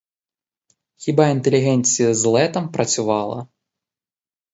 Хіба інтелігенція зле там працювала?